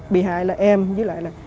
bị hại là em với lại là